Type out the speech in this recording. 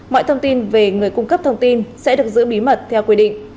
mọi thông tin về người cung cấp thông tin sẽ được giữ bí mật theo quy định